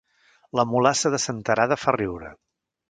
La mulassa de Senterada fa riure